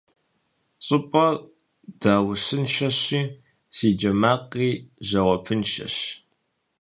ЩӀыпӀэр даущыншэщи, си джэ макъри жэуапыншэщ.